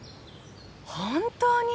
本当に？